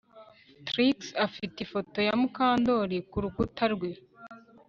Trix afite ifoto ya Mukandoli kurukuta rwe